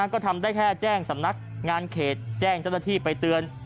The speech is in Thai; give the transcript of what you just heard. ก็ทำได้แค่แจ้งสำนักงานเขตแจ้งเจ้าหน้าที่ไปเตือน